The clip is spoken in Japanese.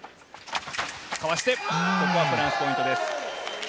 かわして、ここはフランス、ポイントです。